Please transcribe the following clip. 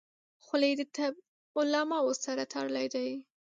خولۍ د طب علماو سره تړلې ده.